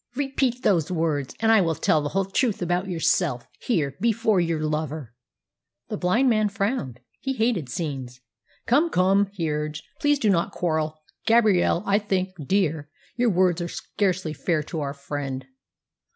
"Repeat those words, and I will tell the whole truth about yourself here, before your lover!" The blind man frowned. He hated scenes. "Come, come," he urged, "please do not quarrel. Gabrielle, I think, dear, your words are scarcely fair to our friend."